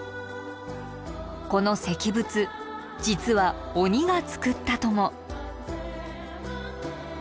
この石仏実は鬼が作ったとも。